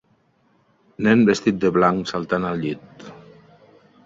Nen vestit de blanc saltant al llit